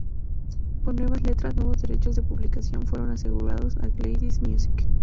Con nuevas letras, nuevos derechos de publicación fueron asegurados a Gladys Music.